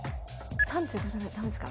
３５じゃなきゃダメですか？